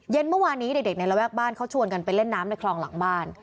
เมื่อวานนี้เด็กในระแวกบ้านเขาชวนกันไปเล่นน้ำในคลองหลังบ้าน